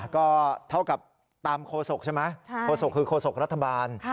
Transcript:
ก็เท่ากับตามโฆษกใช่ไหมโฆษกคือโฆษกรัฐบาล